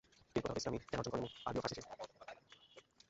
তিনি প্রথাগত ইসলামি জ্ঞান অর্জন করেন এবং আরবি ও ফারসি শেখেন।